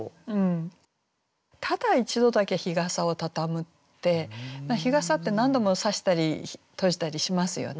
「ただ一度だけ日傘をたたむ」って日傘って何度も差したり閉じたりしますよね。